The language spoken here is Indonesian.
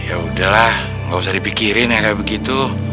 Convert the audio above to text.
ya udahlah gak usah dipikirin ya kayak begitu